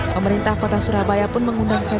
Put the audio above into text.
pemerintah kota surabaya pun mengundang venue